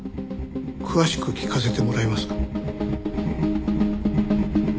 詳しく聞かせてもらえますか？